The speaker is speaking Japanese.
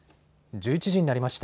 １１時になりました。